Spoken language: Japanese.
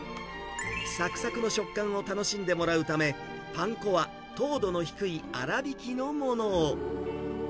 さくさくの食感を楽しんでもらうため、パン粉は糖度の低い粗びきのものを。